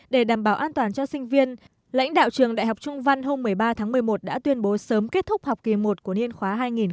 để đảm bảo an toàn cho sinh viên lãnh đạo trường đại học trung văn hôm một mươi ba tháng một mươi một đã tuyên bố sớm kết thúc học kỳ một của niên khóa hai nghìn một mươi chín hai nghìn hai mươi